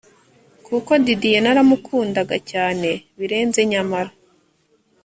kuko Didie naramukundaga cyane birenze nyamara